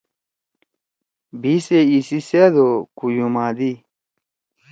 بھی سے ایسی سأت او کُویُو مادی۔